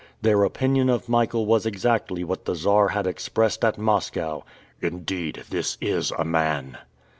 Their opinion of Michael was exactly what the Czar had expressed at Moscow: "Indeed, this is a Man!"